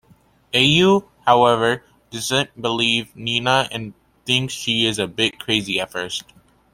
Ayu, however, doesn't believe Nina and thinks she is a bit crazy at first.